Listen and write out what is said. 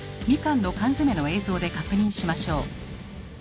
みかんの缶詰の映像で確認しましょう。